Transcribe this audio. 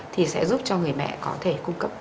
thì sẽ giúp cho người mẹ có thể cung cấp